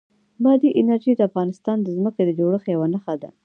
بادي انرژي د افغانستان د ځمکې د جوړښت یوه نښه ده.